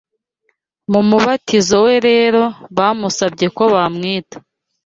Mu mubatizo we rero bamusabye ko bamwita